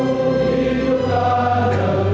untuk hidup istana yang baik